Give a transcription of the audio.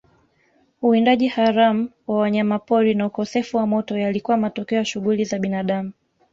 Uwindaji haramu wa wanyamapori na ukosefu wa moto yalikuwa matokeo ya shughuli za binadamu